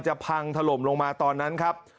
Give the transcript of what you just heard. พังถล่มลงมาตอนนั้นครับ